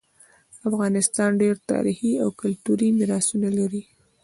افغانستان ډیر تاریخي او کلتوری میراثونه لري